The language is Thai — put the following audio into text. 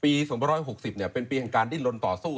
ปี๒๕๖๐เนี่ยเป็นปีของการดินลนต่อสู้